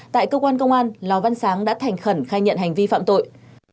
tại cơ quan công an lò văn sáng đã thành khẩn khai nhận hành vi phạm tội